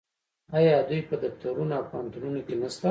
آیا دوی په دفترونو او پوهنتونونو کې نشته؟